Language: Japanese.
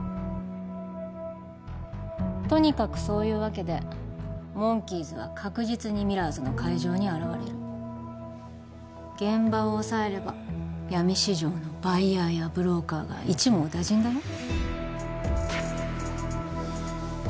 とにかくそういうわけでモンキーズは確実にミラーズの会場に現れる現場を押さえれば闇市場のバイヤーやブローカーが一網打尽だよ？